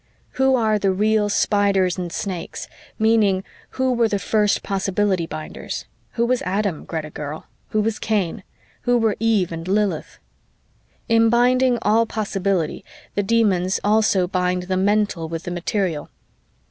"Who are the real Spiders and Snakes, meaning who were the first possibility binders? Who was Adam, Greta girl? Who was Cain? Who were Eve and Lilith? "In binding all possibility, the Demons also bind the mental with the material.